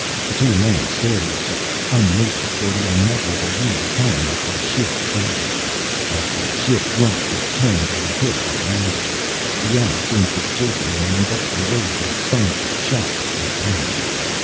The two men stared at each other, unmoving, for the unmeasurable unit of time that the ship fell. As the ship dropped it turned and hit at an angle. The end came for Jason in an engulfing wave of thunder, shock and pain.